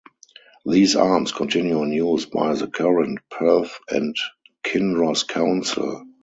These arms continue in use by the current Perth and Kinross Council.